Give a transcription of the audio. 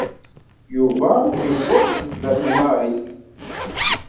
Yuba yewweḍ-d zdat n Mary.